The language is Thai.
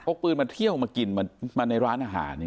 พกปืนเที่ยวมันกินมาในร้านอาหาร